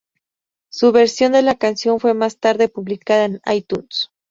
Su versión de la canción fue más tarde publicada en iTunes.